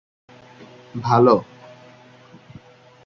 একটি সরকারি শিশু পরিবার ও একটি সেফ হোম রয়েছে।